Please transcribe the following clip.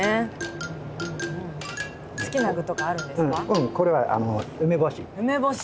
うんこれは梅干し。